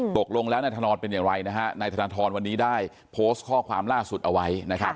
ตกลงแล้วนายธนเป็นอย่างไรนะฮะนายธนทรวันนี้ได้โพสต์ข้อความล่าสุดเอาไว้นะครับ